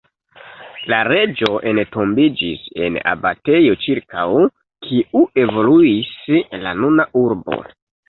La reĝo entombiĝis en abatejo ĉirkaŭ kiu evoluis la nuna urbo.